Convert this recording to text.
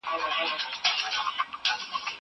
کېدای سي خبري اوږدې وي!!